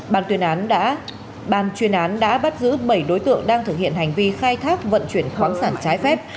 ban chuyên án đã bắt giữ bảy đối tượng đang thực hiện hành vi khai thác vận chuyển khoáng sản trái phép